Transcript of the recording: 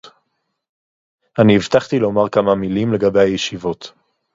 אני הבטחתי לומר כמה מלים לגבי הישיבות